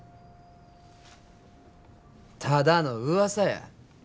ただのうわさや。